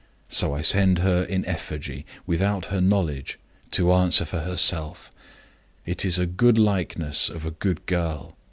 So I send her in effigy (without her knowledge) to answer for herself. It is a good likeness of a good girl.